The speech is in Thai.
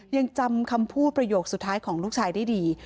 ยังจำคำพูดประโยคสุดท้ายของลูกชายได้ดี